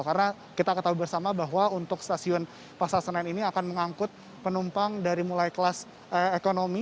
karena kita ketahui bersama bahwa untuk stasiun pasar senen ini akan mengangkut penumpang dari mulai kelas ekonomi